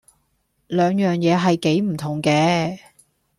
兩樣嘢係幾唔同嘅